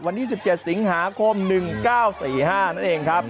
วันที่๑๗สิงหาคม๑๙๔๕นั่นเองครับ